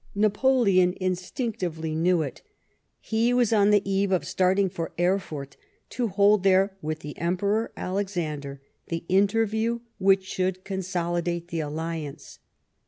Napoleon instinctively knew it. He was on the eve of starting for Erfurt to hold there with the Emperor Alexander the interview which should consolidate the alliance.